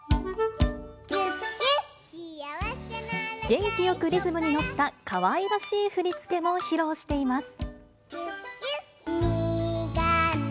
元気よくリズムに乗った、かわいらしい振り付けも披露しています。